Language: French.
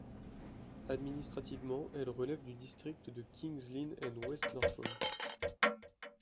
Administrativement, elle relève du district de King's Lynn and West Norfolk.